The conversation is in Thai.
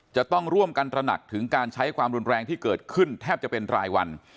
จะต้องร่วมกันตระหนักถึงการใช้ความรุนแรงที่เกิดขึ้นแทบจะเป็นรายวัน